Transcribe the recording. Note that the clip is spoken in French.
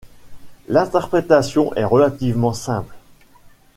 L'interprétation est relativement simple.